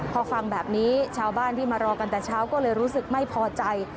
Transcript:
พอฟังแบบนี้ชาวบ้านที่มารอกันแต่เช้าก็เลยรู้สึกไม่พอใจ